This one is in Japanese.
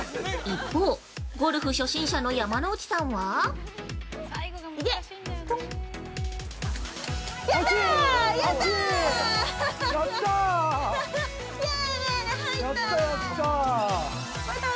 一方、ゴルフ初心者の山之内さんは◆行け！やった！